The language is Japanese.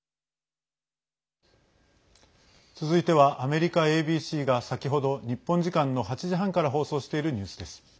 続いてはアメリカＡＢＣが先ほど、日本時間の８時半から放送しているニュースです。